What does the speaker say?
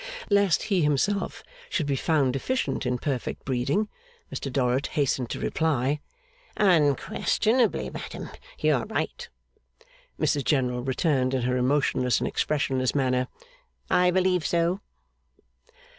Lest he himself should be found deficient in perfect breeding, Mr Dorrit hastened to reply, 'Unquestionably, madam, you are right.' Mrs General returned, in her emotionless and expressionless manner, 'I believe so.